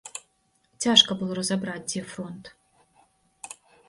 Цяжка было разабраць, дзе фронт.